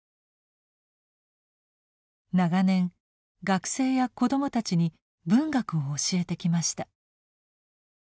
長年学生や子どもたちに文学を教えてきました。